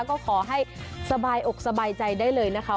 ก็ขอให้สบายอกสบายใจได้เลยนะคะ